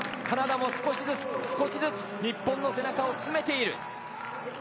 カナダも少しずつ少しずつ日本の背中を詰めている。